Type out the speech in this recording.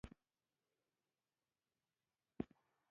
غرمه د کار تر ټولو وروه برخه ده